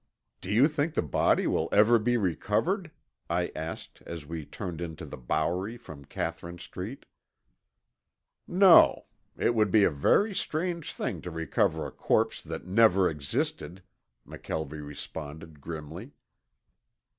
"Do you think the body will ever be recovered?" I asked as we turned into the Bowery from Catherine Street. "No. It would be a very strange thing to recover a corpse that never existed," McKelvie responded grimly.